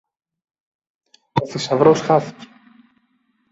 Ο θησαυρός χάθηκε!